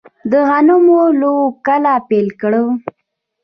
د غنمو لو کله پیل کړم؟